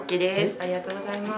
ありがとうございます。